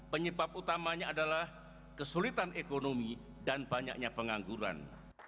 penyebab utamanya adalah kesulitan ekonomi dan banyaknya pengangguran